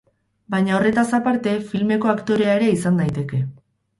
Baina horretaz aparte, filmeko aktorea ere izan daiteke.